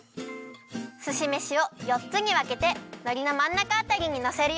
すしめしをよっつにわけてのりのまんなかあたりにのせるよ。